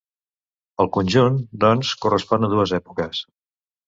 El conjunt, doncs, correspon a dues èpoques.